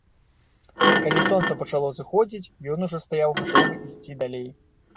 Калі сонца пачало заходзіць, ён ужо стаяў гатовы ісці далей.